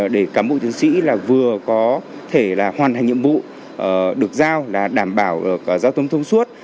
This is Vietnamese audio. để cán bộ chiến sĩ vừa có thể là hoàn thành nhiệm vụ được giao là đảm bảo giao thông thông suốt